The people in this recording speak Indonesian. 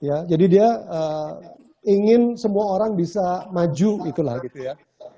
ya jadi dia ingin semua orang bisa maju itulah gitu ya